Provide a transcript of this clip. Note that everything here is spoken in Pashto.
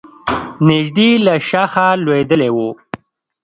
نژدې له شاخه لوېدلی و.